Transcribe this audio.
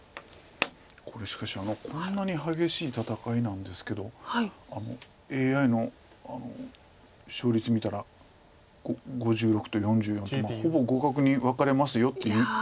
これしかしこんなに激しい戦いなんですけどＡＩの勝率見たら５６と４４って「ほぼ互角にワカれますよ」って言うてるんですな。